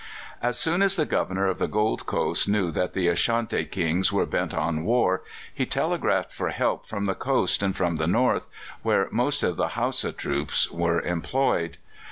As soon as the Governor of the Gold Coast knew that the Ashanti Kings were bent on war, he telegraphed for help from the coast and from the north, where most of the Hausa troops were employed.